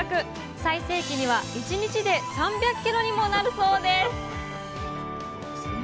最盛期には１日で３００ｋｇにもなるそうです